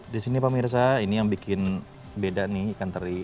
di sini pemirsa ini yang bikin beda nih ikan teri